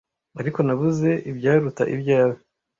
Ariko nabuze ibyaruta ibyawe